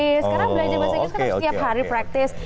karena belajar bahasa inggris kan harus tiap hari practice